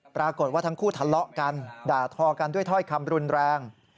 ปรากฏว่าทั้งคู่ทะเลาะกันด่าทอกันด้วยถ้อยคำรุนแรง